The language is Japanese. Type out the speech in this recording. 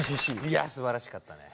いやすばらしかったね。